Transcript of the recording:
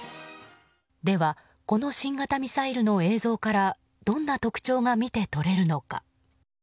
ではこの新型ミサイルの映像からどんな特徴が見て取れるのか。